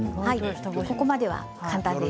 ここまでは簡単です。